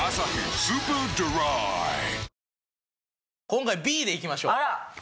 今回Ｂでいきましょう。